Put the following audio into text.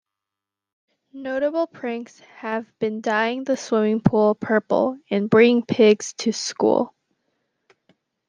Notable pranks have been dyeing the swimming pool purple and bringing pigs to school.